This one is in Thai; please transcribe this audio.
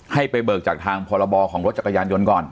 ให้ไปเบิกจากทางพรบของรถจักรยานยนต์ก่อน